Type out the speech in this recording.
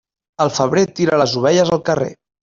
El febrer tira les ovelles al carrer.